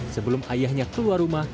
sebelum ayahnya keluar rumah